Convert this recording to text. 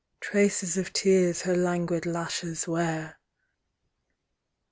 Traces of tears her languid lashes wear.